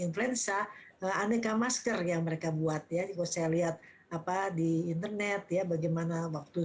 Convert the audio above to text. influenza aneka masker yang mereka buat ya kalau saya lihat apa di internet ya bagaimana waktu